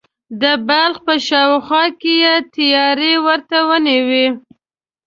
د بلخ په شاوخوا کې یې تیاری ورته ونیوی.